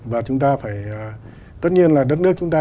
và chúng ta phải tất nhiên là đất nước chúng ta